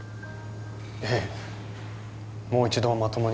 ええもう一度まともに